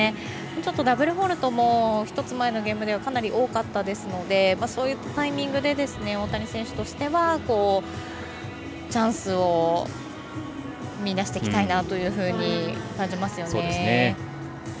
ダブルフォールトも１つ前のゲームではかなり多かったですのでそういったタイミングで大谷選手としてはチャンスを見いだしていきたいなと感じますよね。